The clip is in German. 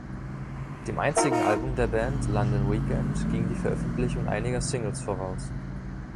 Dem einzigen Album der Band, „London Weekend“, ging die Veröffentlichung einiger Singles voraus.